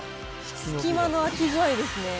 隙間の空き具合ですね。